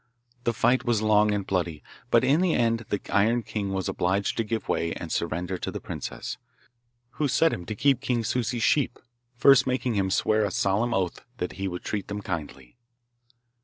The fight was long and bloody, but in the end the Iron King was obliged to give way and surrender to the princess, who set him to keep King Souci's sheep, first making him swear a solemn oath that he would treat them kindly.